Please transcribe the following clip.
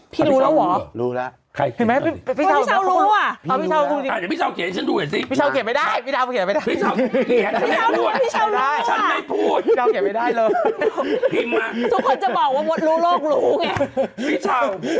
พี่รู้แล้วเหรอเห็นมั้ยพี่เช้าพี่เช้ารู้อะ